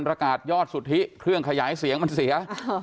ประกาศยอดสุทธิเครื่องขยายเสียงมันเสีย